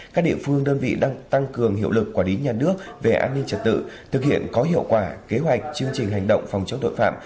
các địa phương đơn vị đang tăng cường hiệu lực quản lý nhà nước về an ninh trật tự thực hiện có hiệu quả kế hoạch chương trình hành động phòng chống tội phạm